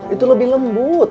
itu lebih lembut